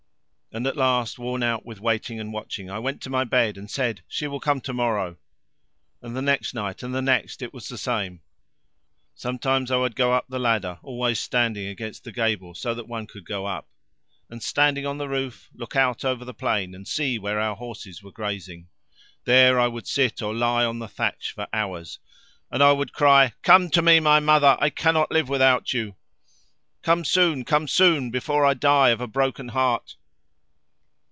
And at last, worn out with waiting and watching, I went to my bed and said she will come to morrow. And the next night and the next it was the same. Sometimes I would go up the ladder, always standing against the gable so that one could go up, and standing on the roof, look out over the plain and see where our horses were grazing. There I would sit or lie on the thatch for hours. And I would cry: 'Come to me, my mother! I cannot live without you! Come soon come soon, before I die of a broken heart!'